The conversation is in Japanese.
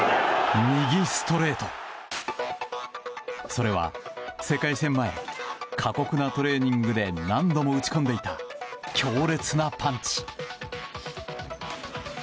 それは、世界戦前過酷なトレーニングで何度も打ち込んでいた強烈なパンチ。